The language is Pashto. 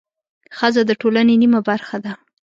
ښځه د ټولنې نیمه برخه ده